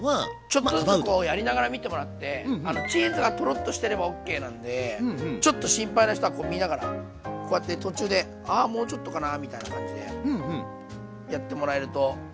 ちょっとずつこうやりながら見てもらってチーズがトロッとしてればＯＫなんでちょっと心配な人はこう見ながらこうやって途中で「あもうちょっとかな？」みたいな感じでやってもらえるといいと思います。